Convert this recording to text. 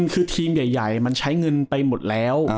คือทีมใหญ่มันใช้เงินไปหมดแล้ว